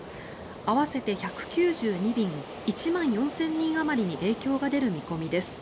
合わせて１９２便１万４０００人あまりに影響が出る見込みです。